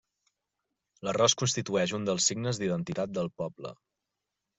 L'arròs constitueix un dels signes d'identitat del poble.